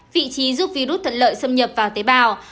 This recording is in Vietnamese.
vị trí giúp virus thuận lợi xâm nhập vào tế bào